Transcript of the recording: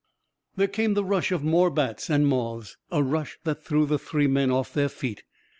There came the rush of more bats and moths, a rush that threw the three men off their feet.